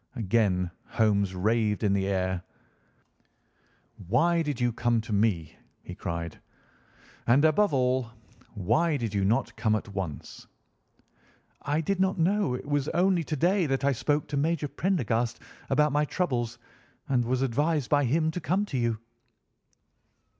Again Holmes raved in the air. "Why did you come to me?" he said, "and, above all, why did you not come at once?" "I did not know. It was only to day that I spoke to Major Prendergast about my troubles and was advised by him to come to you."